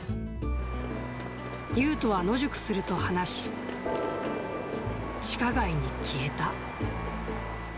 ユウトは野宿すると話し、地下街に消えた。